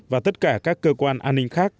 và tất cả các cơ quan an ninh khác